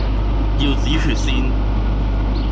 要止血先！